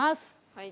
はい。